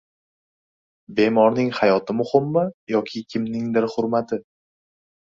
Bemorning hayoti muhimmi yoki «kimningdir» hurmati?